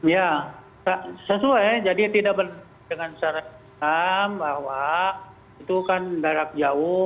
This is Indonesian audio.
ya sesuai jadi tidak benar dengan syariat islam bahwa itu kan darat jauh